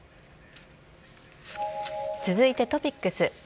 続いてトピックス。